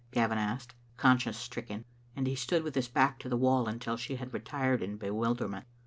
Gavin asked, con* science stricken, and he stood with his back to the wall until she had retired in bewilderment.